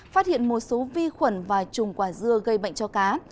phát hiện một số vi khuẩn và trùng quả dưa gây bệnh cho cá